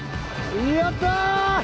やった！